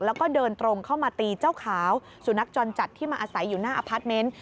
แล้วก็เดินตรงเข้ามาตีเจ้าขาวสุนัขจรจัดที่มาอาศัยอยู่หน้าอพาร์ทเมนต์